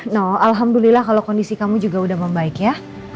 no alhamdulillah kalau kondisi kamu juga udah membaik ya